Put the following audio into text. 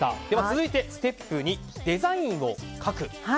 では続いてステップ２、デザインを描く。